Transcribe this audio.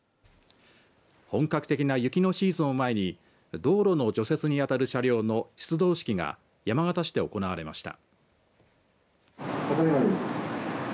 本格的な雪のシーズンを前に道路の除雪に当たる車両の出動式が山形市で行われました。